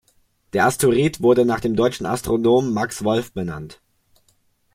Der Asteroid wurde nach dem deutschen Astronomen Max Wolf benannt.